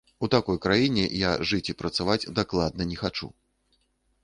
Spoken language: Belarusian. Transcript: У такой краіне я жыць і працаваць дакладна не хачу.